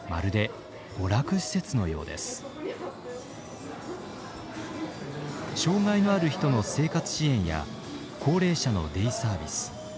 障害のある人の生活支援や高齢者のデイサービス学童保育まで。